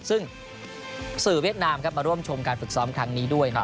ซึ่งสื่อเวียดนามมาร่วมชมการฝึกซ้อมครั้งนี้ด้วยนะครับ